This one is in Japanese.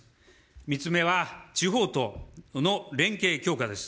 ３つ目は、地方との連携強化です。